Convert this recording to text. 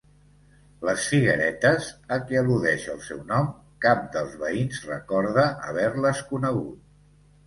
Les figueretes, a què al·ludeix el seu nom, cap dels veïns recorda haver-les conegut.